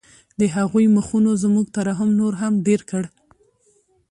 د هغوی مخونو زموږ ترحم نور هم ډېر کړ